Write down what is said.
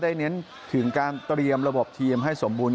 เน้นถึงการเตรียมระบบทีมให้สมบูรณ